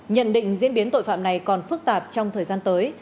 nhận định diễn biến tội phạm này còn phức tạp trong thời gian tới